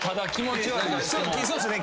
そうですね。